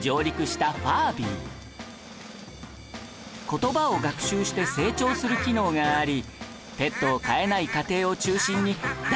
言葉を学習して成長する機能がありペットを飼えない家庭を中心に大人気でした